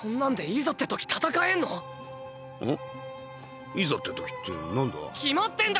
いざって時って何だ？